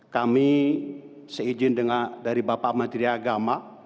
kami seizin dari bapak menteri agama